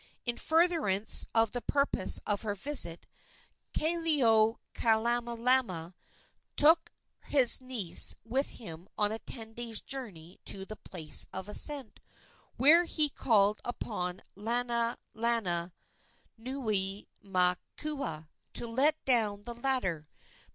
In furtherance of the purposes of her visit, Kaeloikamalama took his niece with him on a ten days' journey to the place of ascent, where he called upon Lanalananuiaimakua to let down the ladder.